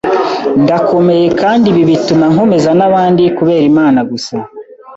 ndakomeye kandi ibi bituma nkomeza n’abandi kubera Imana gusa